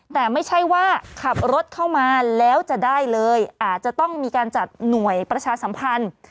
แต่ไม่ใช่ว่าขับรถเข้ามาแล้วจะได้เลยอาจจะต้องมีการจัดหน่วยประชาสัมพันธ์